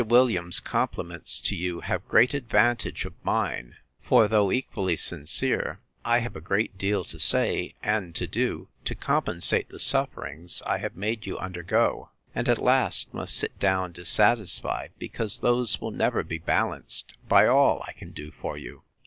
Williams's compliments to you have great advantage of mine: For, though equally sincere, I have a great deal to say, and to do, to compensate the sufferings I have made you undergo; and, at last, must sit down dissatisfied, because those will never be balanced by all I can do for you.